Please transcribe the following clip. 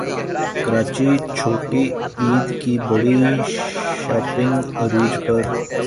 کراچی چھوٹی عید کی بڑی شاپنگ عروج پر